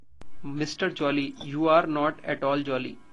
mister Jolly, you are not at all jolly